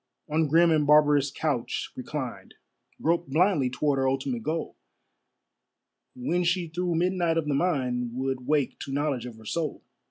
On grim and barbarous couch reclined, Groped blindly toward her ultimate goal, When she through midnight of the mind Would wake to knowledge of her soul.